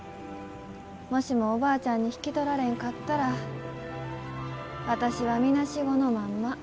もしもおばあちゃんに引き取られんかったら私はみなしごのまんま。